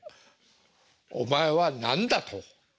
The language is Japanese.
「お前は何だ」と。